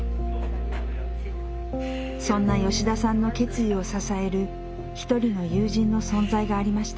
そんな吉田さんの決意を支える一人の友人の存在がありました。